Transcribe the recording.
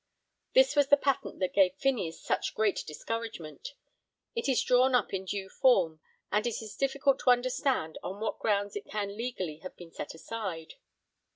This was the patent that gave Phineas such 'great discouragement' (p. 20). It is drawn up in due form, and it is difficult to understand on what grounds it can legally have been set aside.